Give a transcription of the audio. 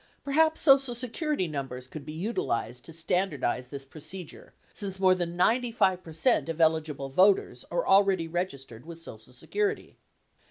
Per haps social security numbers could be utilized to standardize this procedure, since more than 95 percent of eligible voters are already registered with social security.